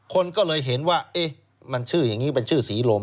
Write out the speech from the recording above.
คนก็เลยเห็นว่าเอ๊ะมันชื่ออย่างนี้เป็นชื่อศรีลม